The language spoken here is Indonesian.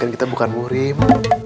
kita bukan murim